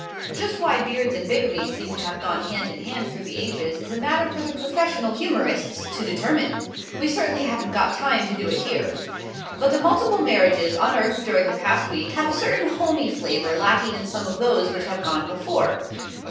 Just why beards and bigamy seem to have gone hand in hand through the ages is a matter for the professional humorists to determine. We certainly haven't got time to do it here. But the multiple marriages unearthed during the past week have a certain homey flavor lacking in some of those which have gone before.